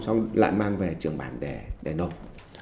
xong lại mang về trường bàn để nộp